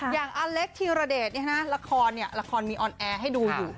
อย่างอเล็กทีรเดชละครมีออนแอร์ให้ดูอยู่